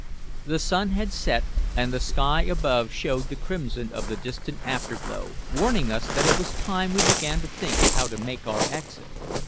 The sun had set, and the sky above showed the crimson of the distant afterglow, warning us that it was time we began to think of how to make our exit.